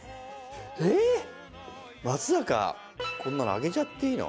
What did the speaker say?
えっ、松坂、こんなのあげちゃっていいの？